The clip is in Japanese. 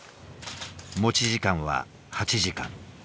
持ち時間は８時間。